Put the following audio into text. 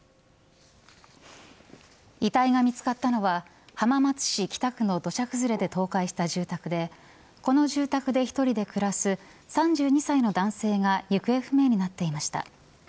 遺体が見つかったのは浜松市北区の土砂崩れで倒壊した住宅でこの住宅で１人で暮らす３２歳の男性が行方不明になっていました。